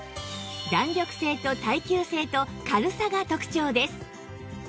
弾力性と耐久性と軽さが特長です